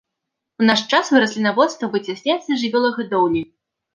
У наш час раслінаводства выцясняецца жывёлагадоўляй.